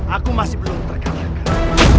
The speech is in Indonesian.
aku masih belum terkata kata